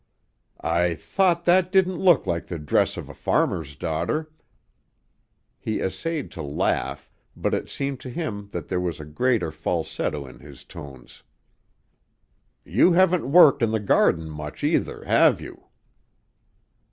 "I thought that didn't look like the dress of a farmer's daughter!" He essayed to laugh, but it seemed to him that there was a grating falsetto in his tones. "You haven't worked in the garden much, either, have you?"